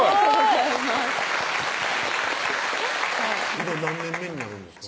今何年目になるんですか？